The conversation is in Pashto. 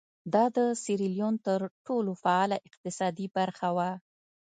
دا د سیریلیون تر ټولو فعاله اقتصادي برخه وه.